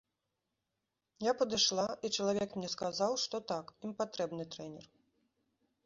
Я падышла, і чалавек мне сказаў, што так, ім патрэбны трэнер.